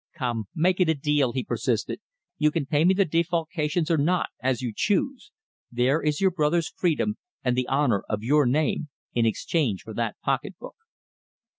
"Come, make it a deal," he persisted, "You can pay me the defalcations or not, as you choose. There is your brother's freedom and the honour of your name, in exchange for that pocketbook."